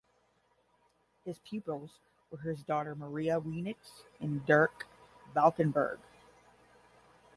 His pupils were his daughter Maria Weenix and Dirk Valkenburg.